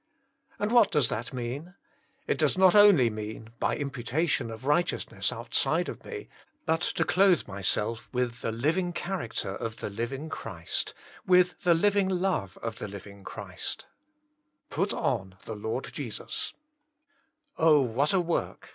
And what does that mean? It does not only mean, by im putation of righteousness outside of me, but to clothe myself with the liv ing character of the living Christ, with the living love of the living Christ, Jesus Himself, 47 put on tbe TLoxb 5e0U0» Ohl what a work.